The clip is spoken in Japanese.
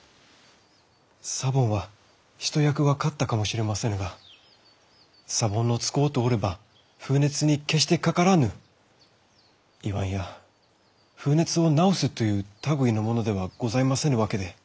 サボンは一役は買ったかもしれませぬがサボンを使うておれば風熱に決してかからぬいわんや風熱を治すという類いのものではございませぬわけで。